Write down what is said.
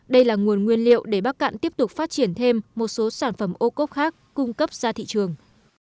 đây là nguồn nguyên liệu để bắc cạn tiếp tục phát triển thêm một số sản phẩm ô cốp khác cung cấp ra thị trường